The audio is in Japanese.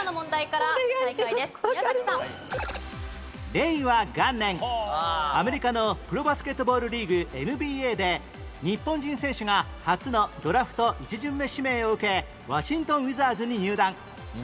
令和元年アメリカのプロバスケットボールリーグ ＮＢＡ で日本人選手が初のドラフト１巡目指名を受けワシントン・ウィザーズに入団